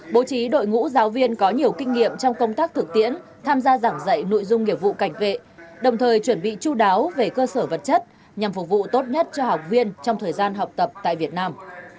bố trí đội ngũ giáo viên có nhiều kinh nghiệm trong công tác thực tiễn tham gia giảng dạy nội dung nghiệp vụ cảnh vệ đồng thời chuẩn bị chú đáo về cơ sở vật chất nhằm phục vụ tốt nhất cho học viên trong thời gian học tập tại việt nam